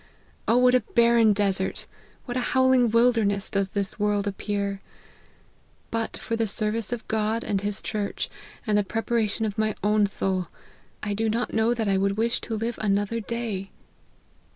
what a barren desert, what a howling wilderness, does this world appear ! But for the service of God and his church, and the preparation of my own soul, I do not know that I would wish to live another day."